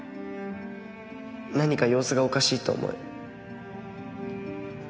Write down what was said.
何か様子がおかしいと思い。